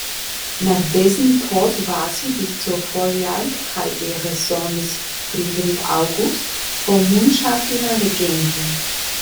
Nach dessen Tod war sie bis zur Volljährigkeit ihres Sohnes Friedrich August vormundschaftliche Regentin.